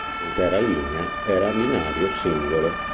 L'intera linea era a binario singolo.